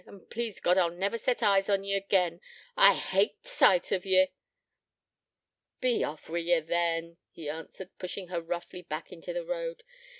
An' please God I'll never set eyes on ye again. I hate t' sight o' ye.' 'Be off wi' ye, then,' he answered, pushing her roughly back into the road.